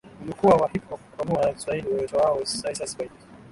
Uliokuwa wa Hip Hop kwa lugha ya Kiswahili uitwao Ice Ice Baby